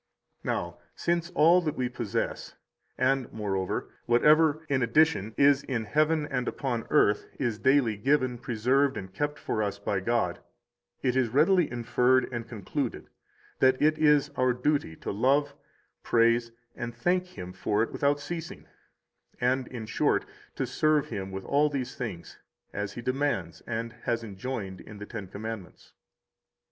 19 Now, since all that we possess, and, moreover, whatever, in addition, is in heaven and upon the earth, is daily given, preserved, and kept for us by God, it is readily inferred and concluded that it is our duty to love, praise, and thank Him for it without ceasing, and, in short, to serve Him with all these things, as He demands and has enjoined in the Ten Commandments.